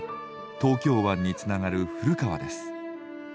東京湾につながる古川です。